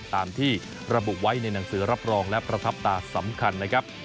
ตามที่ระบุไว้ในหนังสือรับรองและประทับตาสำคัญนะครับ